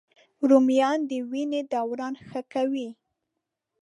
رومیان د وینې دوران ښه کوي